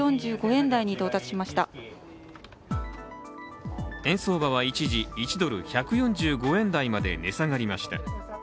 円相場は一時、１ドル＝１４５円台まで値下がりました。